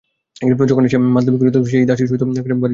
যখন তখন আসিয়া মাতলামি করিত, সেই দাসীটির সহিত ভারি ঝগড়া বাধাইয়া দিত।